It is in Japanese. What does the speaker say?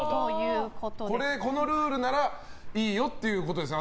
このルールならいいよっていうことですね？